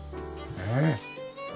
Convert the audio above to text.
ねえ。